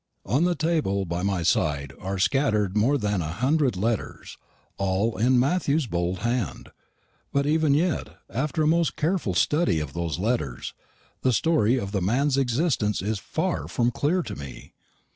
On the table by my side are scattered more than a hundred letters, all in Matthew's bold hand; but even yet, after a most careful study of those letters, the story of the man's existence is far from clear to me.